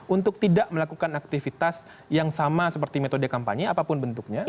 untuk tidak melakukan aktivitas yang sama seperti metode kampanye apapun bentuknya